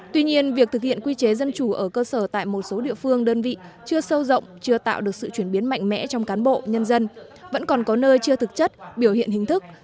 tuy nhiên việc thực hiện quy chế dân chủ ở cơ sở tại một số địa phương đơn vị chưa sâu rộng chưa tạo được sự chuyển biến mạnh mẽ trong cán bộ nhân dân vẫn còn có nơi chưa thực chất biểu hiện hình thức